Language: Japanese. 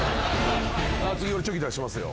次俺チョキ出しますよ。